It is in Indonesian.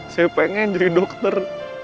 saya pengen jadi dokter